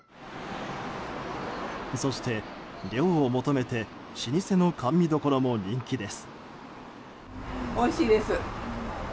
そして、涼を求めて老舗の甘味処も人気です。